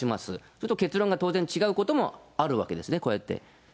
そうすると結論が当然違うこともあるわけですね、こうやって。